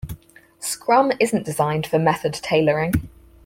Scrum isn't designed for method tailoring.